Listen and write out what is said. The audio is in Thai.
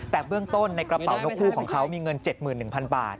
แต่เบื้องต้นในกระเป๋านกคู่ของเขามีเงิน๗๑๐๐๐บาท